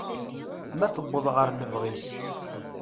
Ma tewweḍ ɣer lebɣi-s.